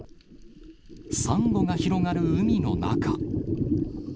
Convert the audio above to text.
サンゴが広がる海の中。